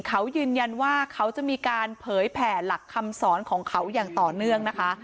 เขายืนยันว่าเขาจะมีการเผยแผ่หลักคำสอนของเขาอย่างต่อเนื่องนะคะ